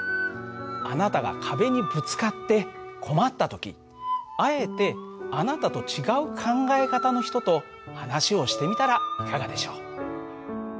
あなたが壁にぶつかって困った時あえてあなたと違う考え方の人と話をしてみたらいかがでしょう？